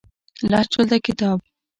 لس جلده کتاب